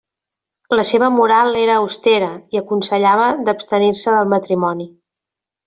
La seva moral era austera i aconsellava d'abstenir-se del matrimoni.